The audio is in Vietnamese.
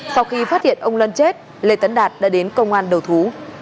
sau khi phát hiện ông luân chết lê tấn đạt đã đến công an đầu thú